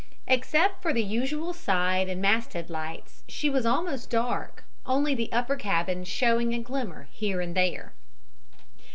Except for the usual side and masthead lights she was almost dark, only the upper cabins showing a glimmer here and there.